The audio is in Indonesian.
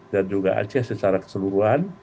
dan juga aceh secara keseluruhan